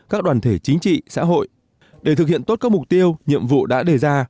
các đoàn thể chính trị xã hội để thực hiện tốt các mục tiêu nhiệm vụ đã đề ra